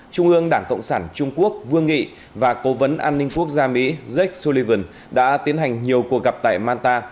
trung ương đảng cộng sản trung quốc vương nghị và cố vấn an ninh quốc gia mỹ jake sullivan đã tiến hành nhiều cuộc gặp tại manta